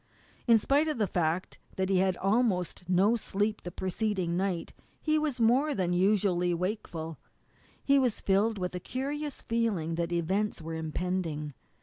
In spite of the fact that he had had almost no sleep the preceding night, he was more than usually wakeful. He was filled with a curious feeling that events were impending.